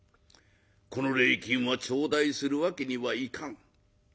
この礼金は頂戴するわけにはいかん」。